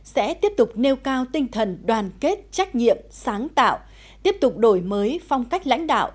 sẽ tiếp tục nêu cao tinh thần đoàn kết trách nhiệm sáng tạo tiếp tục đổi mới phong cách lãnh đạo